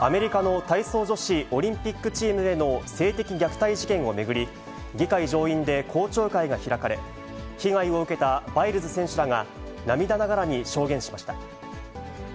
アメリカの体操女子オリンピックチームへの性的虐待事件を巡り、議会上院で公聴会が開かれ、被害を受けたバイルズ選手らが涙ながらに証言しました。